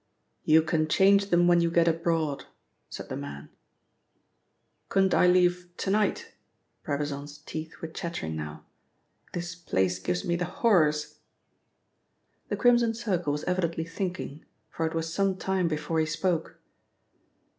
"You can change them when you get abroad," said the man. "Couldn't I leave to night?" Brabazon's teeth were chattering now. "This place gives me the horrors." The Crimson Circle was evidently thinking, for it was some time before he spoke.